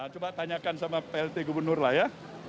coba tanyakan sama plt gubernur lah ya